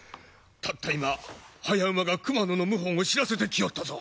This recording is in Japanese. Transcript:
たった今早馬が熊野の謀反を知らせてきおったぞ。